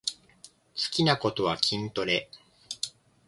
好きなことは筋トレ